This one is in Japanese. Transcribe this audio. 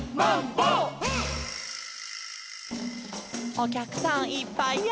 「おきゃくさんいっぱいや」